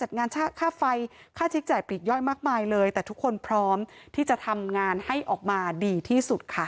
บางคนก็ไปเปิดเพจใช้ชื่อคุณแตงโมคุณเบิร์ตอะไรพวกนี้ก็มี